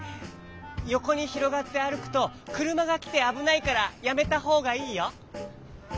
よこにひろがってあるくとくるまがきてあぶないからやめたほうがいいよ！